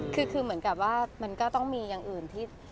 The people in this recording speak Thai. คือเหมือนกับว่ามันก็ต้องมีอย่างอื่นที่